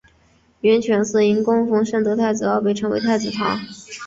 圆泉寺因供奉圣德太子而称太子堂。